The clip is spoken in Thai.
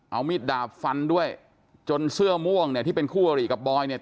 เอามีดดาบฟันด้วยจนเสื้อม่วงเนี่ยที่เป็นคู่อริกับบอยเนี่ย